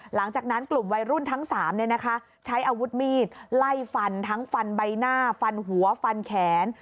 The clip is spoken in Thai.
หลังจากนั้นกลุ่มวัยรุ่นทั้ง๓ใช้อาวุธมีดไล่ฟันทั้งฟันใบหน้าฟันหัวฟันแขน